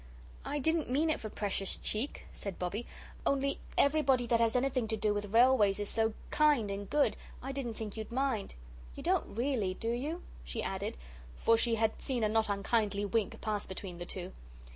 "I didn't mean it for precious cheek," said Bobbie; "only everybody that has anything to do with railways is so kind and good, I didn't think you'd mind. You don't really do you?" she added, for she had seen a not unkindly wink pass between the two.